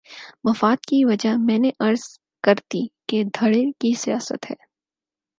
مفاد کی وجہ میں نے عرض کر دی کہ دھڑے کی سیاست ہے۔